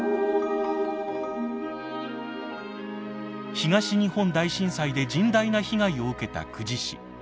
東日本大震災で甚大な被害を受けた久慈市。